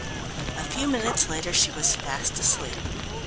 A few minutes later she was fast asleep.